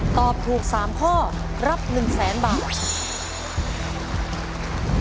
ตอบถูก๓ข้อรับ๑๐๐๐๐๐บาท